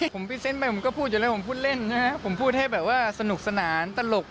ผมพรีเซนต์ไปผมก็พูดอยู่แล้วผมพูดเล่นนะครับผมพูดให้แบบว่าสนุกสนานตลก